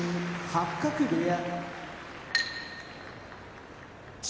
八角部屋